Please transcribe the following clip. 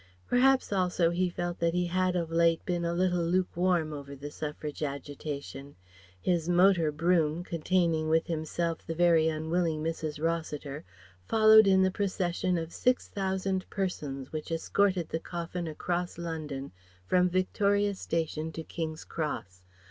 Perhaps, also, he felt that he had of late been a little lukewarm over the Suffrage agitation. His motor brougham, containing with himself the very unwilling Mrs. Rossiter, followed in the procession of six thousand persons which escorted the coffin across London from Victoria station to King's Cross.